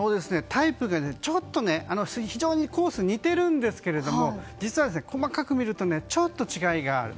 タイプがちょっと非常にコースは似ているんですが実は細かく見るとちょっと違いがある。